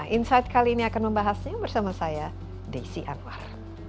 insight kali ini akan membahasnya bersama saya desi anwar